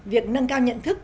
việc nâng cao nhận thức